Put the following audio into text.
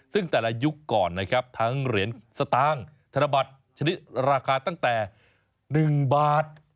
ซึ่งแต่ละยุคก่อนทั้งเหรียญซะตางฯธนบัตรราคาตั้งแต่๑บาท